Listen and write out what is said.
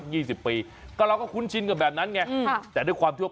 สิบปีก็เราก็คุ้นชินกับแบบนั้นไงอืมแต่ด้วยความที่ว่า